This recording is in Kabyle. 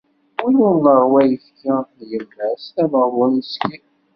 Win ur nerwi ayefki n yemma-s, d ameɣbun meskin